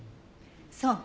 そう。